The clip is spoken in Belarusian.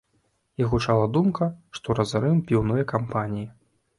І гучала думка, што разарым піўныя кампаніі.